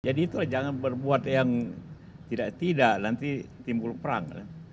jadi itu jangan berbuat yang tidak tidak nanti timbul perang